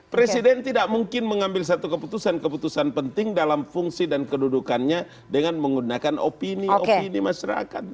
presiden tidak mungkin mengambil satu keputusan keputusan penting dalam fungsi dan kedudukannya dengan menggunakan opini opini masyarakat